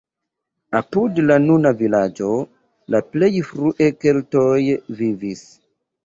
Apud la nuna vilaĝo la plej frue keltoj vivis.